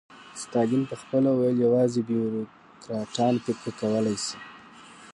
ستالین به خپله ویل یوازې بیروکراټان فکر کولای شي.